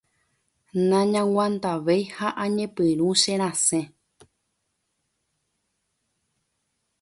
nañaguantavéi ha añepyrũ cherasẽ.